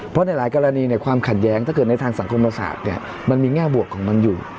เพราะในหลายกรณีความขัดแย้งถ้าเกิดในทางสังคมประสาทมันมีแง่บวกของมันอยู่